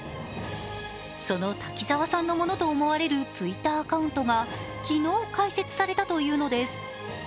その滝沢さんのものと思われるＴｗｉｔｔｅｒアカウントが昨日、開設されたというのです。